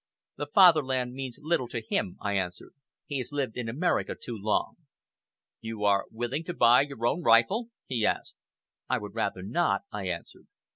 "The fatherland means little to him," I answered. "He has lived in America too long." "You are willing to buy your own rifle?" he asked. "I would rather not," I answered.